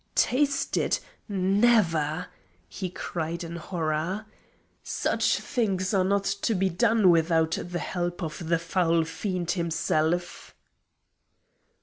"Taste it! Never!" he cried in horror. "Such things are not to be done without the help of the foul Fiend himself!"